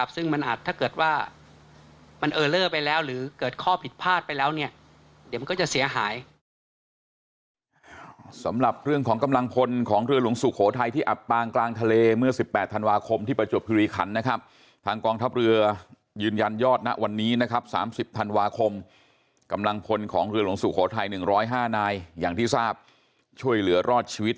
ซึ่งมันอาจถ้าเกิดว่ามันเออเลอร์ไปแล้วหรือเกิดข้อผิดพลาดไปแล้ว